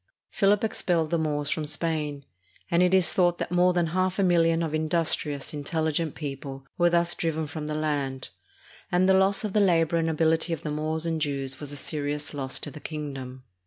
Philip expelled the Moors from Spain, and it is thought that more than half a milhon of industrious, intelli gent people were thus driven from the land, and the loss of the labor and ability of the Moors and Jews was a serious loss to the kingdom.